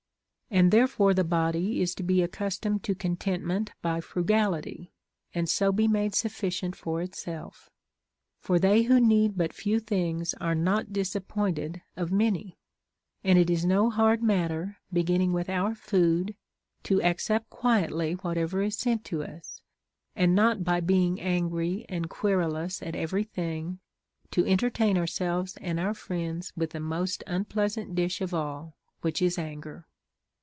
And therefore the body is to be accustomed to contentment by frugality, and so be made sufficient for itself. For they who need but few things are not disappointed of many ; and it is no hard matter, beginning with our food, to accept quietly whatever is sent to us, and not by being angry and querulous at every thing, to entertain ourselves and our friends with the most unpleasant dish of all, Avhich is anger.